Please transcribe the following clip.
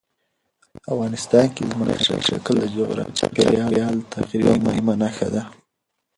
افغانستان کې ځمکنی شکل د چاپېریال د تغیر یوه مهمه نښه ده.